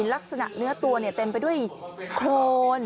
ลักษณะเนื้อตัวเต็มไปด้วยโครน